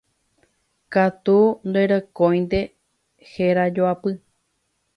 katu ndorekóinte herajoapy